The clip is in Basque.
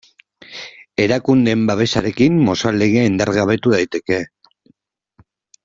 Erakundeen babesarekin Mozal Legea indargabetu daiteke.